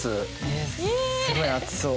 えっすごい熱そう。